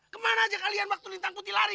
kemana aja kalian waktu lintang putih lari